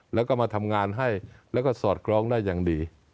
แล้วก็มาทำงานให้แล้วก็สอดคล้องได้อย่างดี